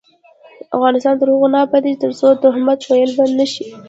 افغانستان تر هغو نه ابادیږي، ترڅو تهمت ویل بند نشي.